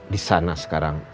di sana sekarang